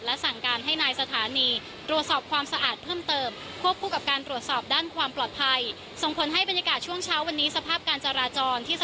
ราจรที่สถานีขนส่งกรุงเทพหมอชิด๒